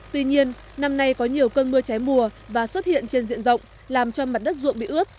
tuy nhiên năm nay có nhiều cơn mưa cháy mùa và xuất hiện trên diện rộng làm cho mặt đất ruộng bị ướt